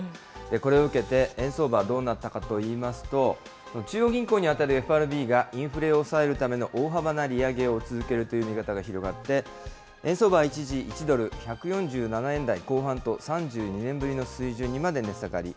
これを受けて、円相場はどうなったかといいますと、中央銀行に当たるＦＲＢが、インフレを抑えるための大幅な利上げを続けるという見方が広がって、円相場は一時、１ドル１４７円台後半と、３２年ぶりの水準にまで値下がり。